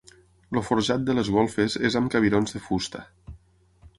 El forjat de les golfes és amb cabirons de fusta.